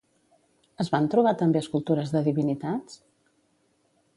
Es van trobar també escultures de divinitats?